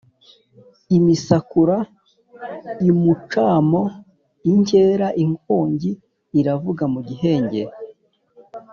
Imisakura imucamo inkera, inkongi iravuga mu Gihengeri